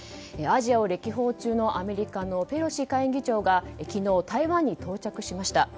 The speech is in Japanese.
アジアを歴訪中のアメリカのペロシ下院議長が昨日、台湾に到着しました。